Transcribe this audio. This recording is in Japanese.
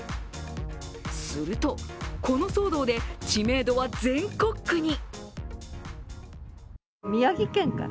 すると、この騒動で知名度は全国区に。